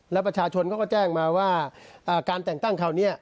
แล้วประชาชนเขาก็แจ้งมาว่าการแต่งตั้งคราวนี้